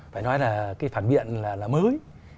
phải nói là cái phản biện là mới